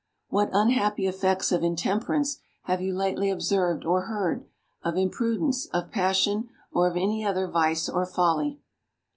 What unhappy effects of intemperance have you lately observed or heard; of imprudence, of passion, or of any other vice or folly?